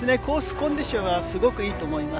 コンディションはすごくいいと思います。